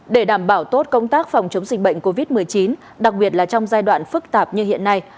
để đảm bảo tốt công tác phòng chống dịch bệnh covid một mươi chín đặc biệt là trong giai đoạn phức tạp như hiện nay